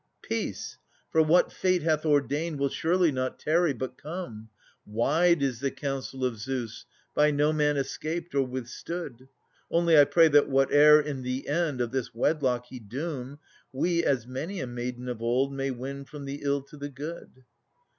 Peace !/ for what Fate hath ordained will surely not tarry biit come ; Wide is the counsel of Zeus,\by no man escapedf or withstood : Only I pray that whate'er, in the end, of this wedlock/he doom, / We, as many a maiden of old/may win from the ill to the good.